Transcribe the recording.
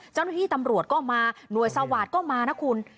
เจ้าหน้าที่ตำรวจก็มาหน่วยสวาสตร์ก็มานะคุณ